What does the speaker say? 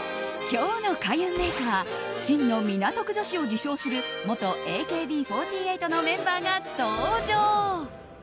今日の開運メイクは真の港区女子を自称する元ＡＫＢ４８のメンバーが登場。